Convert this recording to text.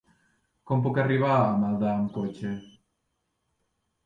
Com puc arribar a Maldà amb cotxe?